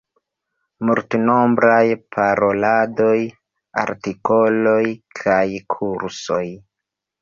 Multnombraj paroladoj, artikoloj kaj kursoj.